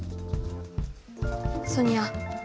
ソニア